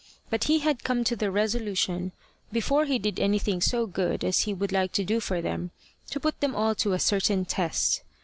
But he had come to the resolution, before he did anything so good as he would like to do for them, to put them all to a certain test.